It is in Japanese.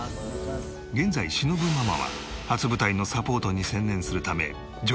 現在しのぶママは初舞台のサポートに専念するため女優業の仕事をセーブ。